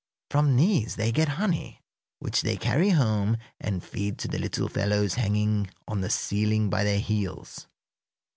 From these they get honey, which they carry home and feed to the little fellows hanging on the ceiling by their heels.